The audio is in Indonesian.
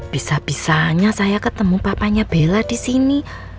bisa bisanya saya ketemu papanya bella disini